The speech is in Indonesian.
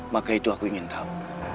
maka itu aku ingin tahu